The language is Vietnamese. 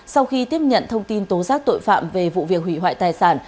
sau khi tiếp nhận thông tin tố giác tội phạm về vụ việc hủy hoại tài sản